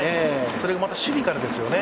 それがまた守備からですよね。